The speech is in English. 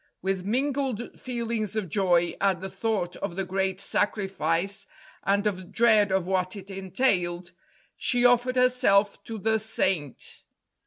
With mingled feelings of joy at the thought of the great sacrifice, and of dread of what it entailed, she offered herself to the Saint.